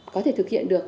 có thể thực hiện được